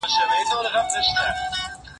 جنګ به ختم پر وطن وي نه غلیم نه به دښمن وي